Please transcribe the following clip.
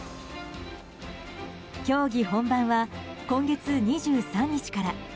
競技本番は今月２３日から。